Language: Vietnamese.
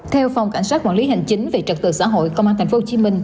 theo phòng cảnh sát quản lý hành chính về trật tự xã hội công an tp hcm